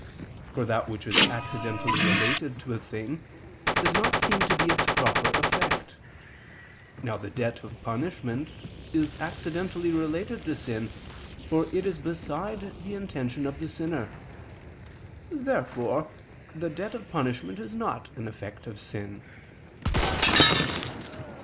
For that which is accidentally related to a thing, does not seem to be its proper effect. Now the debt of punishment is accidentally related to sin, for it is beside the intention of the sinner. Therefore the debt of punishment is not an effect of sin.